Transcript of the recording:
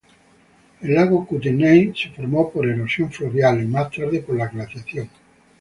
El lago Kootenay se formó por erosión fluvial y, más tarde, por la glaciación.